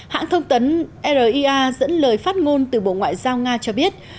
hãng thông tấn ria dẫn lời phát ngôn từ bộ ngoại giao nga cho biết